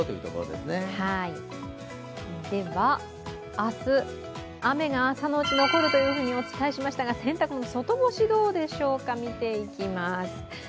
明日、雨が朝のうち残るとお伝えしましたが洗濯物、外干しどうでしょうか、見ていきます。